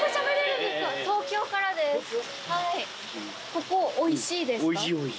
ここおいしいですか？